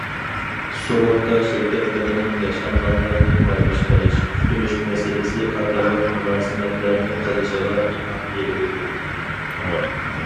سۇغۇرتا شىركەتلىرىنىڭ ياشانغانلارنى پەرۋىش قىلىش، كۈتۈنۈش مەھەللىسى قاتارلىق مۇلازىمەتلەرنى قىلىشىغا ئىلھام بېرىلىدۇ.